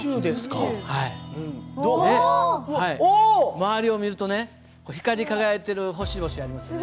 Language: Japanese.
周りを見るとね光り輝いている星々ありますね。